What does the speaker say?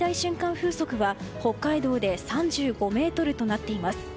風速は北海道で３５メートルとなっています。